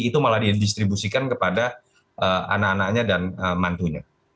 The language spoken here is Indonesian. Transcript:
itu malah didistribusikan kepada anak anaknya dan mantunya